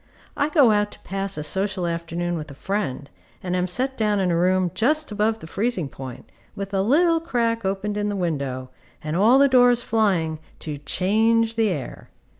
I go out to pass a social afternoon with a friend, and am set down in a room just above the freezing point, with a little crack opened in the window, and all the doors flying, to change the air.